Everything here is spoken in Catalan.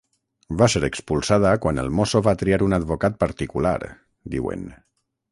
“Va ser expulsada quan el mosso va triar un advocat particular”, diuen.